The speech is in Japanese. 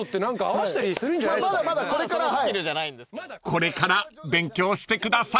［これから勉強してください］